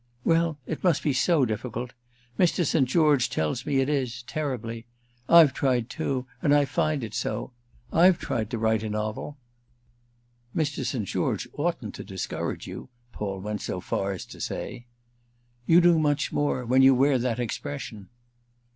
"Well, it must be so difficult. Mr. St. George tells me it is—terribly. I've tried too—and I find it so. I've tried to write a novel." "Mr. St. George oughtn't to discourage you," Paul went so far as to say. "You do much more—when you wear that expression."